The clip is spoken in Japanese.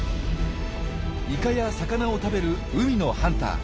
イカや魚を食べる海のハンター。